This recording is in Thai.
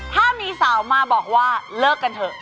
ถ้ามีสาวมาบอกว่าเลิกกันเถอะ